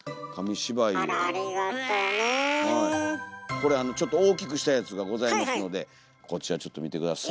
これちょっと大きくしたやつがございますのでこちらちょっと見て下さい。